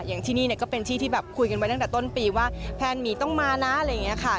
อย่างที่นี่เนี่ยก็เป็นที่ที่แบบคุยกันไว้ตั้งแต่ต้นปีว่าแพนหมีต้องมานะอะไรอย่างนี้ค่ะ